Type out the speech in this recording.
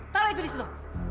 taruh itu disitu